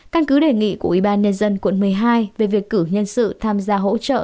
căn cứ đề nghị của ủy ban nhân dân quận một mươi hai về việc cử nhân sự tham gia hỗ trợ